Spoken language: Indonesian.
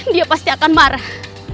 dia pasti akan marah